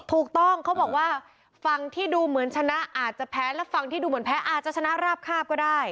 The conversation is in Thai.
ถูกต้องเขาบอกว่าฝั่งที่ดูเหมือนชนะอาจจะแพ้และฝั่งที่ดูเหมือนแพ้อาจจะชนะราบคาบก็ได้